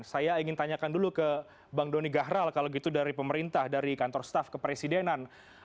saya ingin tanyakan dulu ke bang doni gahral kalau gitu dari pemerintah dari kantor staf kepresidenan